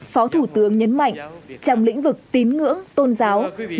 phó thủ tướng nhấn mạnh trong lĩnh vực tín ngưỡng tôn giáo việt nam luôn tốt hơn